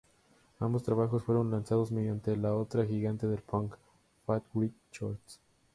Ambos trabajos fueron lanzados mediante la otra gigante del punk, Fat Wreck Chords.